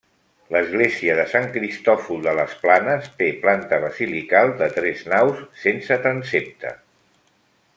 L'església de Sant Cristòfol de les Planes té planta basilical de tres naus sense transsepte.